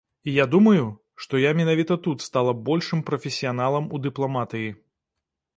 І я думаю, што я менавіта тут стала большым прафесіяналам у дыпламатыі.